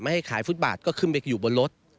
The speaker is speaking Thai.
ให้ขายฟุตบาทก็ขึ้นไปอยู่บนรถ